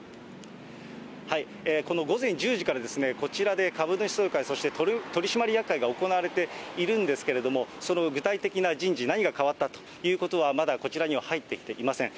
この午前１０時から、こちらで株主総会、そして取締役会が行われているんですけれども、その具体的な人事、何が変わったということは、まだこちらには入ってきていません。